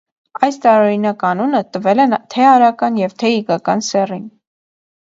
Այս տարօրինակ անունը տվել են թե արական և թե իգական սեռին։